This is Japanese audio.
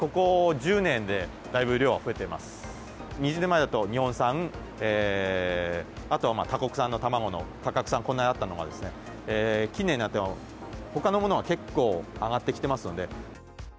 ２０年前だと、日本産、あとは他国産の卵の価格差、こんなにあったのが、近年になって、ほかのものは結構上がってきてますんで。